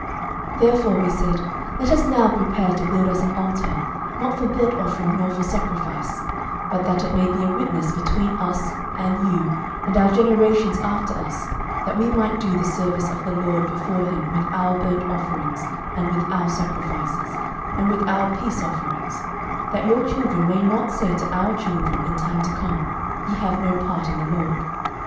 06:022:026 Therefore we said, Let us now prepare to build us an altar, not for burnt offering, nor for sacrifice: 06:022:027 But that it may be a witness between us, and you, and our generations after us, that we might do the service of the LORD before him with our burnt offerings, and with our sacrifices, and with our peace offerings; that your children may not say to our children in time to come, Ye have no part in the LORD.